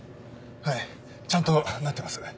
はいちゃんとなってます。